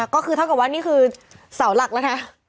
ก็คือเท่ากับว่านี่คือเสาหลักแล้วนะ